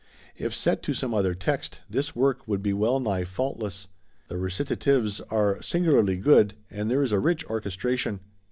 If set to some other text, this work would be well nigh faultless; the recitatives are singularly good, and there is a rich orchestration.